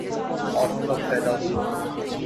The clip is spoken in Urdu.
آپ کب پیدا ہوئے